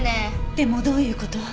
でもどういう事？